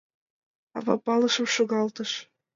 Ава пылышым шогалтыш.